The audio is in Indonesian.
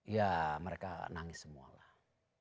ya mereka nangis semua lah